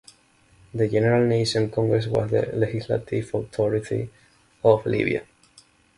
The General National Congress was the legislative authority of Libya.